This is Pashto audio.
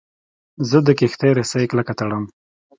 زه د کښتۍ رسۍ کلکه تړم.